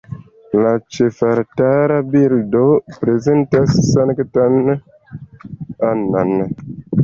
La ĉefaltara bildo prezentas Sanktan Annan.